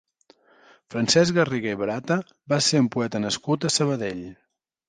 Francesc Garriga i Barata va ser un poeta nascut a Sabadell.